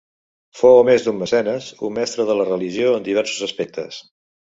Fou a més d'un mecenes un mestre de la religió en diversos aspectes.